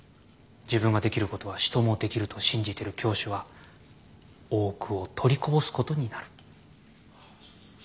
自分ができることは人もできると信じてる教師は多くを取りこぼすことになる。